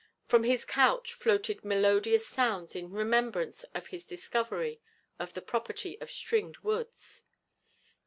From his couch floated melodious sounds in remembrance of his discovery of the property of stringed woods.